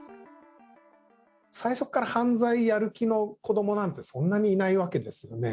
最初から犯罪やる気の子どもなんてそんなにいないわけですよね。